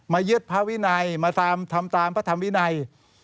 ยึดพระวินัยมาทำตามพระธรรมวินัย